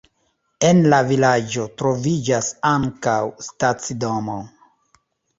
En la vilaĝo troviĝas ankaŭ stacidomo.